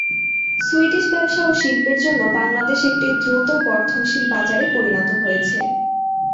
Swedish ব্যবসা ও শিল্পের জন্য বাংলাদেশ একটি দ্রুত বর্ধনশীল বাজারে পরিণত হয়েছে।